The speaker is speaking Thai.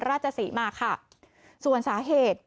ราชศรีมาค่ะส่วนสาเหตุ